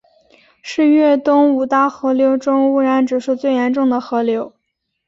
是粤东五大河流中污染指数最严重的河流。